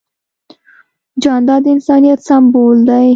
جانداد د انسانیت سمبول دی.